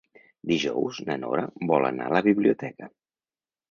Dijous na Nora vol anar a la biblioteca.